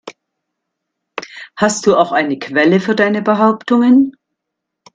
Hast du auch eine Quelle für deine Behauptungen?